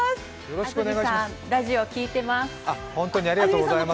安住さん、ラジオ聞いてまーす。